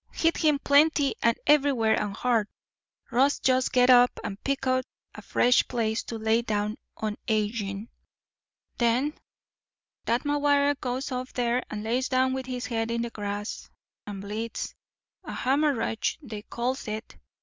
Hit him plenty and everywhere and hard. Ross'd just get up and pick out a fresh place to lay down on agin. "Then that McGuire goes off there and lays down with his head in the grass and bleeds. A hem'ridge they calls it.